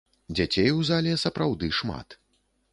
Дзяцей у зале сапраўды шмат.